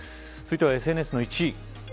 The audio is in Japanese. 続いてはＳＮＳの１位。